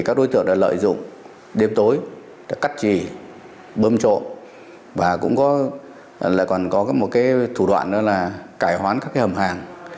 các đối tượng đã lợi dụng đêm tối cắt trì bơm trộn và còn có một thủ đoạn đó là cải hoán các hầm hàng